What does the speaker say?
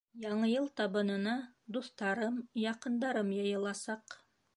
Яңы йыл табынына дуҫтарым, яҡындарым йыйыласаҡ.